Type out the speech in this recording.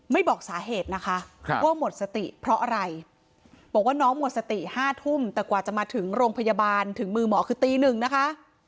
บอกสาเหตุนะคะว่าหมดสติเพราะอะไรบอกว่าน้องหมดสติ๕ทุ่มแต่กว่าจะมาถึงโรงพยาบาลถึงมือหมอคือตีหนึ่งนะคะ